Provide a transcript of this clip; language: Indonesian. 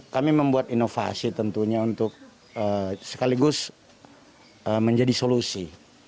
kami membuat inovasi tentunya untuk sekaligus menjadi solusi